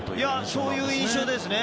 そういう印象ですね。